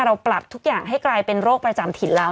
เราปรับทุกอย่างให้กลายเป็นโรคประจำถิ่นแล้ว